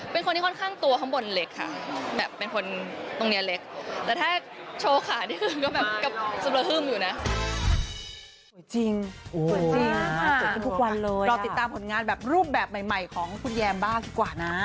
เป็นคนที่ค่อนข้างตัวข้างบนเหล็กค่ะแบบเป็นคนตรงนี้เหล็ก